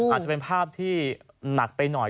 อาจจะเป็นภาพที่หนักไปหน่อย